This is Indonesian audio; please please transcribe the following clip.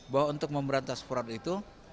bahwa untuk pemberantasan fraud itu